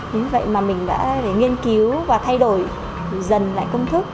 như vậy mà mình đã để nghiên cứu và thay đổi dần lại công thức